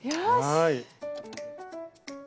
はい。